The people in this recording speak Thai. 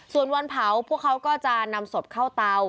ส่วนวันเผาพวกเขาก็จะนำศพเข้าเตา